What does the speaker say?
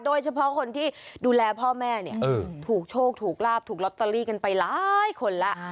โดยเฉพาะคนที่ดูแลพ่อแม่เนี่ยถูกโชคถูกลาบถูกลอตเตอรี่กันไปหลายคนแล้ว